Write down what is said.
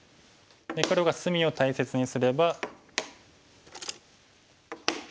黒が隅を大切にすれば。